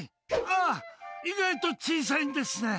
あっ、意外と小さいんですね。